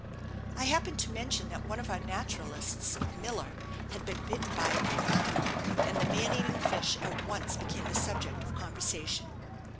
I happened to mention that one of our naturalists, Miller, had been bitten by a piranha, and the man eating fish at once became the subject of conversation.